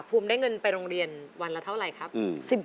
ภูมิได้เงินไปโรงเรียนวันละเท่าไหร่ครับ